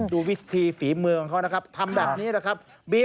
ดูวิธีฝีมือของเขานะครับทำแบบนี้นะครับ